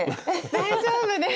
大丈夫です。